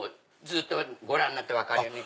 ご覧になって分かるように。